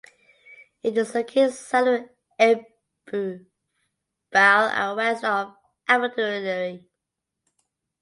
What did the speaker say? It is located south of Ebbw Vale and west of Abertillery.